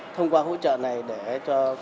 thông qua hỗ trợ này để cho